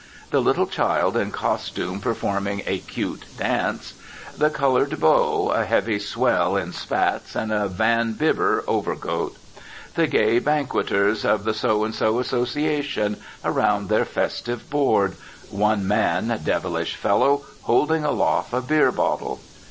The little child in costume performing a cute dance. The coloured beau, a heavy swell, in spats and a van Bibber overcoat. The gay banqueters of the So and So Association, around their festive board (one man, devilish fellow! holding aloft a beer bottle).